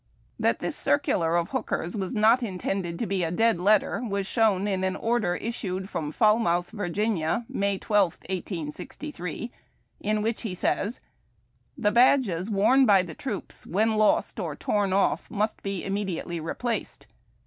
That this circular of Hooker's was not intended to be a dead letter was shown in an cn der issued from Fal mouth, Va., May 12, 1803, in which he says :—" The badges worn by tlie troops when lost or torn off must be immediately replaced."